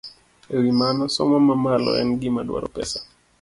E wi mano, somo mamalo en gima dwaro pesa.